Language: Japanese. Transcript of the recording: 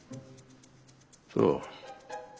そう。